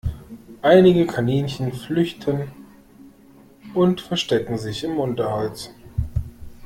Einige Kaninchen flüchten und verstecken sich im Unterholz.